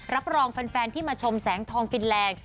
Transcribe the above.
รับรองแฟนที่มาชมแสงทองฟินแรง